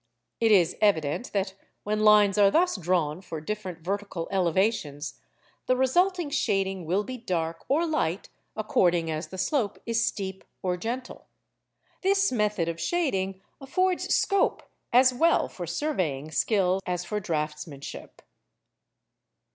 It is evident that when lines are thus drawn for different vertical elevations, the resulting shading will be dark or light, according as the slope is steep or gentle. This method of shading affords scope as well for surveying skill as for draughtsmanship.